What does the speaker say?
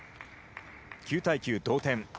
９対９、同点。